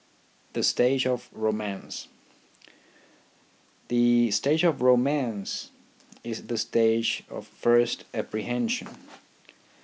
THE STAGE OF ROMANCE The stage of romance is the stage of first appre hension.